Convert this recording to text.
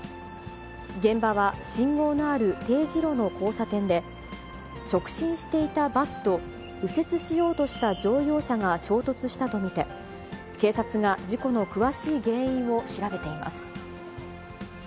現場は信号のある丁字路の交差点で、直進していたバスと右折しようとした乗用車が衝突したと見て、警察が事故の詳しい原因を調べています。